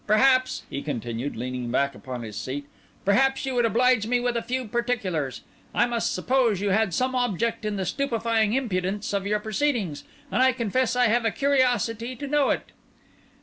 Perhaps," he continued, leaning back upon his seat, "perhaps you would oblige me with a few particulars. I must suppose you had some object in the stupefying impudence of your proceedings, and I confess I have a curiosity to know it."